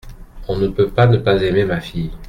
On ne peut pas ne pas aimer ma fille !